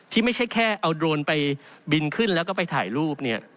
ไม่ใช่แค่เอาโดรนไปบินขึ้นแล้วก็ไปถ่ายรูปเนี่ย